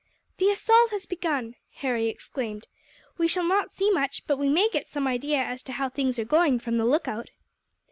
"The assault has begun!" Harry exclaimed. "We shall not see much, but we may get some idea as to how things are going from the lookout."